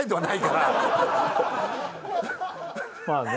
まあね。